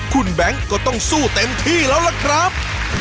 คุณแบงค์ก็ต้องสู้เต็มที่แล้วล่ะครับ